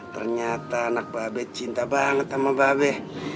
ternyata anak babe cinta banget sama babe